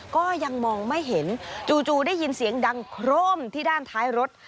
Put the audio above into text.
ก็ยังมองไม่เห็นจู่ได้ยินเสียงดังโครมที่ด้านท้ายรถ